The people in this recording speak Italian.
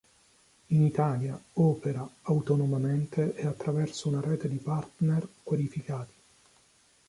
In Italia opera autonomamente e attraverso una rete di partner qualificati.